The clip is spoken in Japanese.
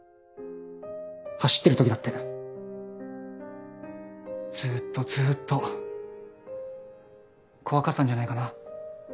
走ってるときだってずーっとずーっと怖かったんじゃないかな？